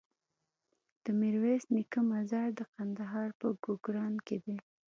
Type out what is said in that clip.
د ميرويس نيکه مزار د کندهار په کوکران کی دی